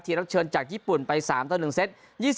ทีลักษณ์เชิญจากญี่ปุ่นไป๓ตั้ง๑เซต